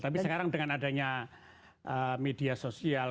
tapi sekarang dengan adanya media sosial